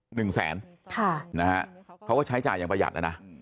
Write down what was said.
หนึ่งแสนค่ะนะฮะเขาก็ใช้จ่ายอย่างประหยัดนะนะ